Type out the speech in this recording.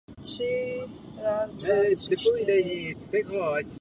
Publikovala odborné práce na téma správního a komunálního práva.